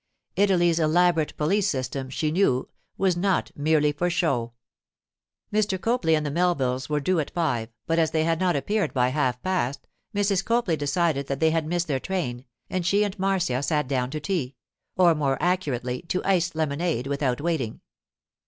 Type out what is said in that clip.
Italy's elaborate police system, she knew, was not merely for show. Mr. Copley and the Melvilles were due at five, but as they had not appeared by half past, Mrs. Copley decided that they had missed their train, and she and Marcia sat down to tea—or, more accurately, to iced lemonade—without waiting.